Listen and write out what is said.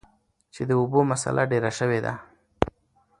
چې د اوبو مسله ډېره شوي ده ـ